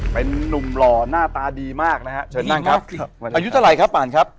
เป็นนุ่มหล่อหน้าตาดีมากนะฮะเชิญนั่งครับอายุเท่าไหร่ครับป่านครับ